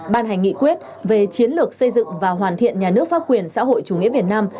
ban hành nghị quyết về chiến lược xây dựng và hoàn thiện nhà nước pháp quyền xã hội chủ nghĩa việt nam